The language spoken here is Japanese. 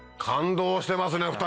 感動してますね！